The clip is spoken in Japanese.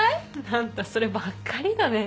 あんたそればっかりだね。